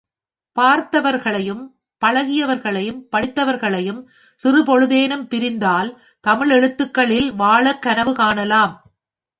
பார்த்தவர்களையும் பழகியவர்களையும் படித்தவர்களையும் சிறு பொழுதேனும் பிரிந்தால், தமிழ் எழுத்துக்களில் வாழக் கனவு காணலாம்.